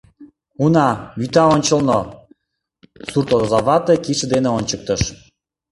— Уна, вӱта ончылно, — суртозавате кидше дене ончыктыш.